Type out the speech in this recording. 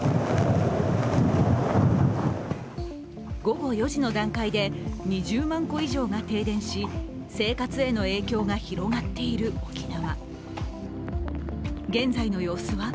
午後４時の段階で２０万戸以上が停電し生活への影響が広がっている沖縄。